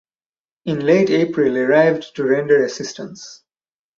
In late April arrived to render assistance.